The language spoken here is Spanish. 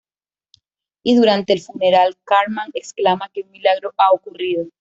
Y durante el funeral, Cartman exclama que un milagro ha ocurrido.